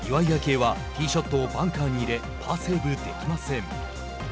愛はティーショットをバンカーに入れパーセーブできません。